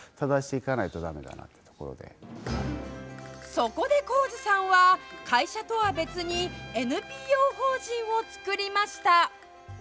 そこで高津さんは会社とは別にＮＰＯ法人をつくりました。